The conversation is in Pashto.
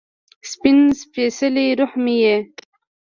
سپین سپيڅلې روح مې یې